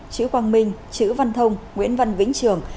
chữ quang minh chữ văn thông nguyễn văn vĩnh trường